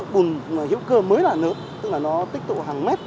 bùn hữu cơ mới là nớt tức là nó tích tụ hàng mét